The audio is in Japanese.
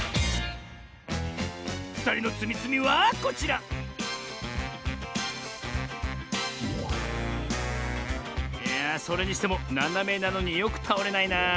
ふたりのつみつみはこちらいやそれにしてもななめなのによくたおれないなあ。